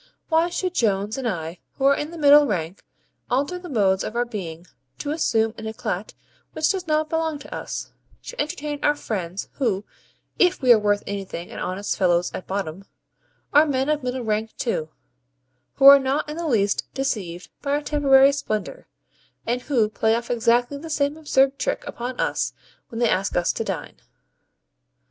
Why should Jones and I, who are in the middle rank, alter the modes of our being to assume an ECLAT which does not belong to us to entertain our friends, who (if we are worth anything and honest fellows at bottom,) are men of the middle rank too, who are not in the least deceived by our temporary splendour, and who play off exactly the same absurd trick upon us when they ask us to dine?